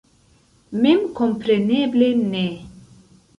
Memkompreneble ne.